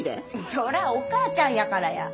そらお母ちゃんやからや。